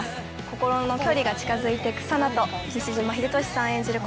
心の距離が近づいていく佐奈と西島秀俊さん演じる